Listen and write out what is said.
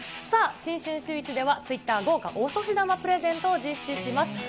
さあ、新春シューイチでは、ツイッター、豪華お年玉プレゼントを実施します。